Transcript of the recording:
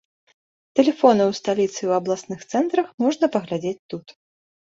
Тэлефоны ў сталіцы і ў абласных цэнтрах можна паглядзець тут.